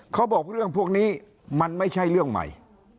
เขาบอกเรื่องพวกนี้มันไม่ใช่เรื่องใหม่